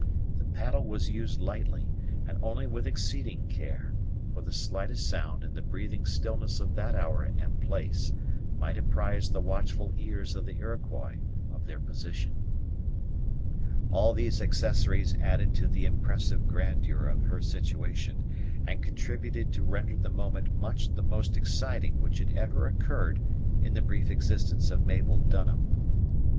The paddle was used lightly, and only with exceeding care; for the slightest sound in the breathing stillness of that hour and place might apprise the watchful ears of the Iroquois of their position. All these accessories added to the impressive grandeur of her situation, and contributed to render the moment much the most exciting which had ever occurred in the brief existence of Mabel Dunham.